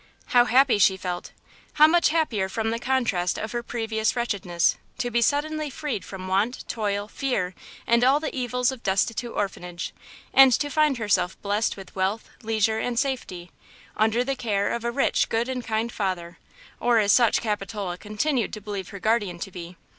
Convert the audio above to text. How happy she felt! How much happier from the contrast of her previous wretchedness, to be suddenly freed from want, toil, fear and all the evils of destitute orphanage, and to find herself blessed with wealth, leisure and safety, under the care of a rich, good and kind father (or as such Capitola continued to believe her guardian to be).